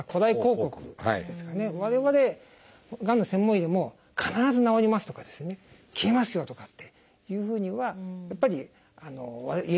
我々がんの専門医でも「必ず治ります」とかですね「消えますよ」とかっていうふうにはやっぱり言えないんですね。